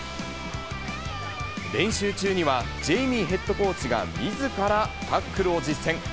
練習中にはジェイミーヘッドコーチがみずからタックルを実践。